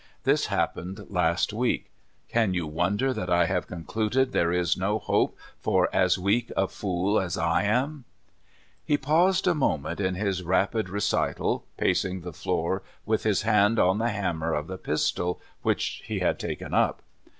This hap pened last week. Can you wonder that I have concluded there is no hope for as weak a fool as lam?" He paused a moment in his rapid recital, pacing the floor with his hand on the hammer of the pis tol, which he had taken up.